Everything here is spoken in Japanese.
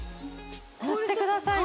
塗ってください